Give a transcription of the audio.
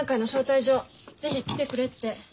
是非来てくれって。